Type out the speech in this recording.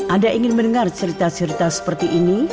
anda ingin mendengar cerita cerita seperti ini